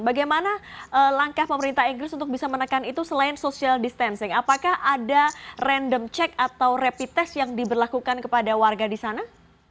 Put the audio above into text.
bagaimana langkah pemerintah inggris untuk bisa menekan itu selain social distancing apakah ada random check atau rapid test yang diberlakukan kepada warga di sana